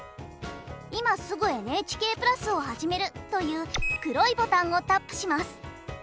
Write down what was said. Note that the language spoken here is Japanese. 「今すぐＮＨＫプラスをはじめる」という黒いボタンをタップします。